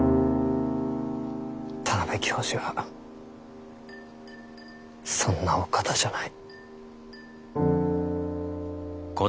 田邊教授はそんなお方じゃない。